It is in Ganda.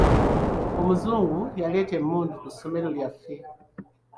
Omuzungu yaleeta emmundu ku ssomero lyaffe.